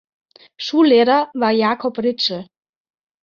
Schullehrer war Jacob Ritschel.